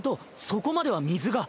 そこまでは水が。